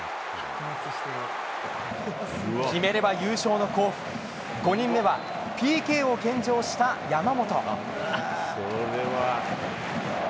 決めれば優勝の甲府、５人目はＰＫを献上した山本。